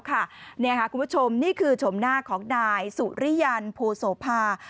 คุณผู้ชมนี่คือชมหน้าของนายสุริยันโพโสภา